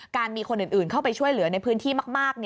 มีคนอื่นเข้าไปช่วยเหลือในพื้นที่มาก